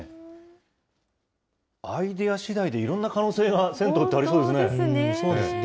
アイデアしだいでいろんな可能性が銭湯ってありそうですね。